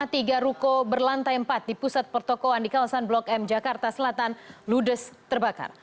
tiga ruko berlantai empat di pusat pertokohan di kawasan blok m jakarta selatan ludes terbakar